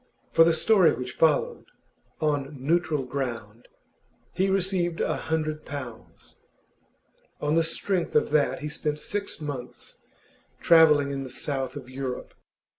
For the story which followed, 'On Neutral Ground,' he received a hundred pounds. On the strength of that he spent six months travelling in the South of Europe.